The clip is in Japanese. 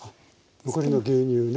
残りの牛乳ね。